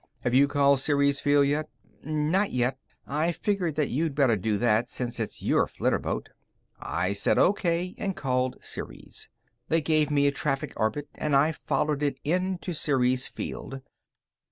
Have you called Ceres Field yet?" "Not yet. I figured that you'd better do that, since it's your flitterboat." I said O.K. and called Ceres. They gave me a traffic orbit, and I followed it in to Ceres Field.